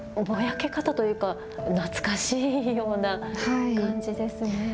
ぼやけ方というか、懐かしいような感じですね。